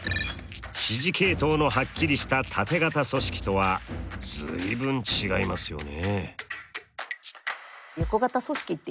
指示系統のはっきりしたタテ型組織とは随分違いますよね。